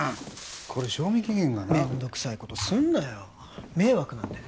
これ賞味期限がなめんどくさいことすんなよ迷惑なんだよ